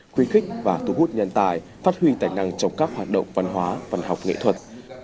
quy khích và thu hút nhân tài phát huy tài năng trong các hoạt động văn hóa văn học nghệ thuật